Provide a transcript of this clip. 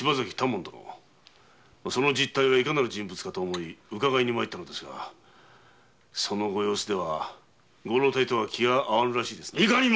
実体はいかなる人物か教えて頂こうと参ったのですがそのご様子ではご老体とは気が合わぬようですな。